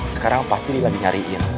sekarang pasti lagi nyariin